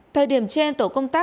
thời điểm trên tổ công tác